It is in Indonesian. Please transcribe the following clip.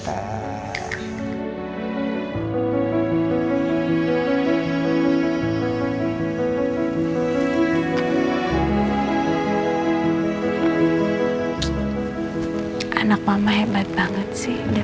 anak mama hebat banget sih